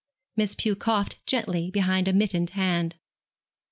Miss Pew coughed gently behind a mittened hand.